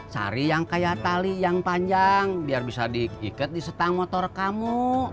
cari yang kayak tali yang panjang biar bisa diikat di setang motor kamu